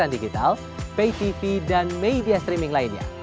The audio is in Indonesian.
digital pay tv dan media streaming lainnya